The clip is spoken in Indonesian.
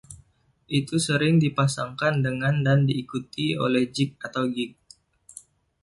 Itu sering dipasangkan dengan dan diikuti oleh jig atau gigue.